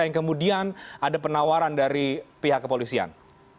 yang kemudian ada penawaran dari pihak kepolisian